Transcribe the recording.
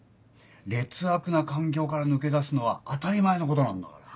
劣悪な環境から抜け出すのは当たり前のことなんだから。